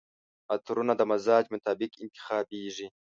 عطرونه د مزاج مطابق انتخابیږي.